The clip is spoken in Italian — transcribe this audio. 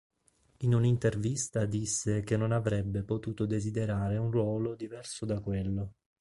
In un'intervista disse che non avrebbe potuto desiderare un ruolo diverso da quello.